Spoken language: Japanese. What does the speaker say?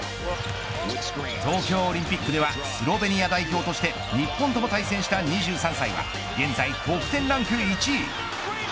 東京オリンピックではスロベニア代表として日本とも対戦した２３歳は現在得点ランク１位。